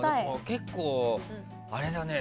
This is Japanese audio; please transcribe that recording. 結構、あれだね。